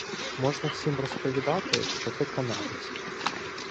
Можна всім розповідати, що ти канадець